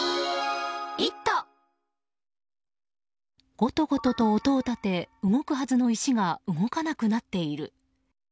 ゴトゴトと音を立て動くはずの石が動かなくなっている。